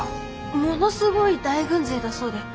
ものすごい大軍勢だそうで。